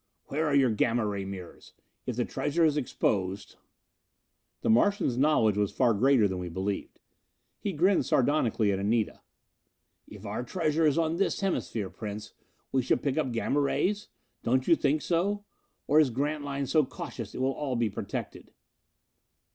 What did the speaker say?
"Where are your Gamma ray mirrors? If the treasure is exposed " This Martian's knowledge was far greater than we believed. He grinned sardonically at Anita. "If our treasure is on this hemisphere, Prince, we should pick up Gamma rays? Don't you think so? Or is Grantline so cautious it will all be protected?"